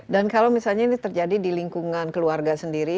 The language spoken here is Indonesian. dan kalau misalnya ini terjadi di lingkungan keluarga sendiri